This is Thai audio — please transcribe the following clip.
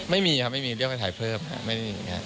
ไม่มีครับไม่มีเรื่องถ่ายเพิ่มครับไม่มีอย่างนี้นะ